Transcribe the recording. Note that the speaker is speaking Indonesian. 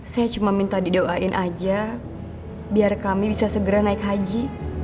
saya cuma minta didoain aja biar kami bisa segera naik haji